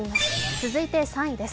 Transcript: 続いて３位です。